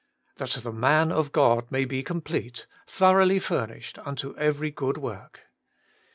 ' That the man of God may be complete, thoroughly furnished unto every good work.'